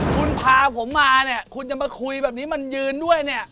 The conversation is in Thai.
คุณพาผมมาเนี่ยคุณจะมาคุยแบบนี้มันยืนด้วยเนี่ย